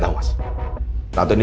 apa selalu terjadi